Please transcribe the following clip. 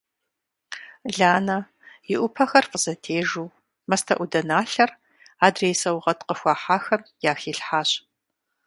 Ланэ и Ӏупэхэр фӀызэтежу мастэӀуданалъэр адрей саугъэт къыхуахьахэм яхилъхьащ.